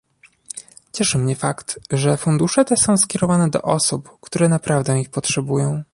Cieszy mnie fakt, że fundusze te są skierowane do osób, które naprawdę ich potrzebują